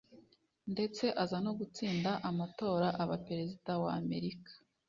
ndetse aza no gutsinda amatora aba Perezida wa Amerika